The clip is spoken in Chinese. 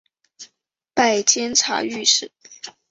拜监察御史。